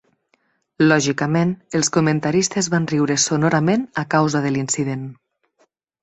Lògicament, els comentaristes van riure sonorament a causa de l'incident.